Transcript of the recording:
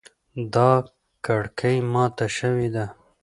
دا کړکۍ ماته شوې ده